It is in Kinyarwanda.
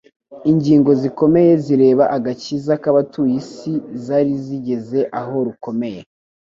ingingo zikomeye zireba agakiza k'abatuye isi zari zigeze aho rukomeye